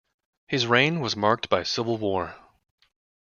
His reign was marked by civil war.